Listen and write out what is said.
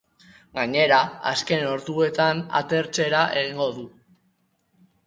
Gainera, azken orduetan atertzera egingo du.